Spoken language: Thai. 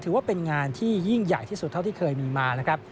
ถือว่าเป็นงานที่ยิ่งใหญ่ที่สุดเท่าที่เคยมีมานะครับ